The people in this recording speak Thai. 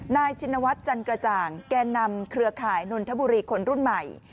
ชินวัฒน์จันกระจ่างแก่นำเครือข่ายนนทบุรีคนรุ่นใหม่